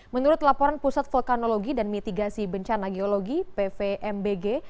menurut laporan pusat vulkanologi dan mitigasi bencana geologi pvmbg